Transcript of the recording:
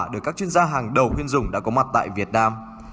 được các chuyên gia hàng đầu khuyên dùng đã có mặt tại việt nam